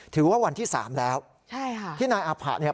วันที่สามแล้วใช่ค่ะที่นายอาผะเนี่ย